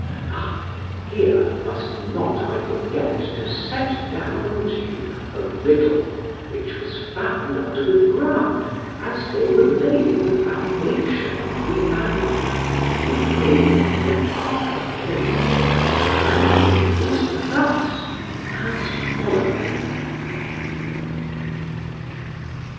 Here must not I forget to set down unto you a riddle which was found under the ground as they were laying the foundation of the abbey, engraven in a copper plate, and it was thus as followeth.